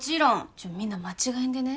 ちょみんな間違えんでね